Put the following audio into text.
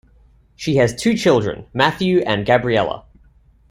She has two children, Matthew and Gabriella.